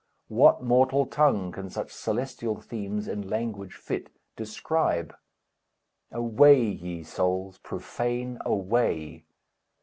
What mortal tongue can such celestial themes In language fit describe? Away ye souls, profane, away!